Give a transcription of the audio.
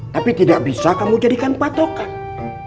tapi tidak bisa kamu jadikan patokan